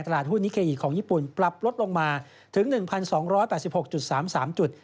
ตลาดหุ้นนิเคอีกของญี่ปุ่นปรับลดลงมาถึง๑๒๘๖๓๓จุด